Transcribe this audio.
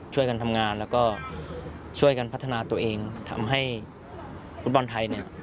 ช่วยกันทำงานแล้วก็ช่วยกันพัฒนาตัวเองทำให้ฟุตบอลไทยเนี่ย